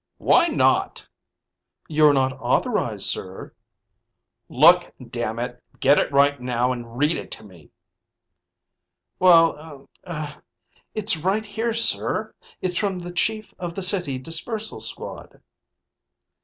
"Why not?" "You're not authorized, sir." "Look, damn it, get it right now and read it to me." "Well ... er ... it's right here sir. It's from the chief of the City Dispersal Squad."